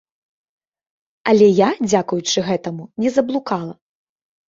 Але я, дзякуючы гэтаму, не заблукала.